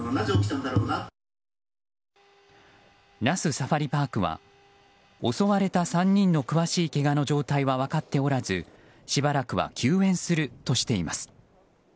那須サファリパークは襲われた３人の詳しいけがの状態は分かっておらずしばらくは休園するとしています。